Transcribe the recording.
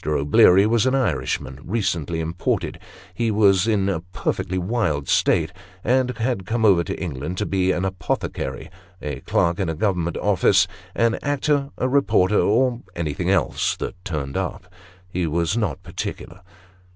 O'Bleary was an Irishman, recently imported ; he was in a perfectly wild state ; and had come over to England to be an apothecary, a clerk in a government office, an actor, a reporter, or anything else that turned up he was not particular.